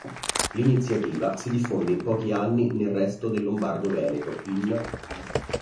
L'iniziativa si diffonde in pochi anni nel resto del Lombardo-Veneto, in.